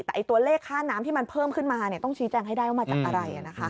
แต่ตัวเลขค่าน้ำที่มันเพิ่มขึ้นมาต้องชี้แจงให้ได้ว่ามาจากอะไร